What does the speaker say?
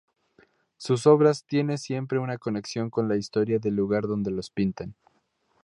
Sus obras tiene siempre una conexión con la historia del lugar donde los pintan.